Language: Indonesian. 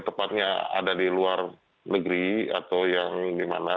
tepatnya ada di luar negeri atau yang di mana